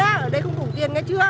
ở đây không đủ tiền nghe chưa